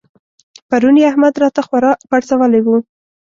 پرون يې احمد راته خورا پړسولی وو.